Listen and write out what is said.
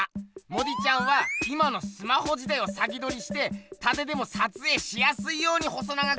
モディちゃんは今のスマホ時代を先どりしてたてでもさつえいしやすいように細長くした。